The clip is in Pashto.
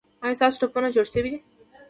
ایا ستاسو ټپونه جوړ شوي دي؟